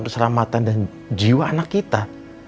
keselamatan dan jiwa anak kita